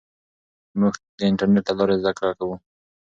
موږ د انټرنېټ له لارې زده کړه کوو.